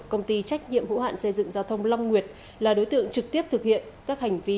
công ty trách nhiệm hữu hạn xây dựng giao thông long nguyệt là đối tượng trực tiếp thực hiện các hành vi